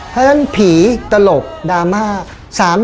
เพราะฉะนั้นผีตลกดราม่า